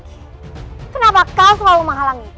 kenapa kau selalu menghalangi